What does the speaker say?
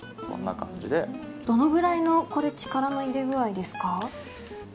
どのぐらいの力の入れ具合ですか？